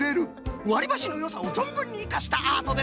わりばしのよさをぞんぶんにいかしたアートですな。